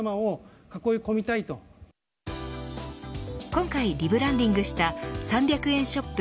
今回リブランディングした３００円ショップ